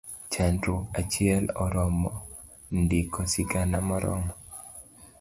Chandruok achiel oromo ndiko sigana moromo.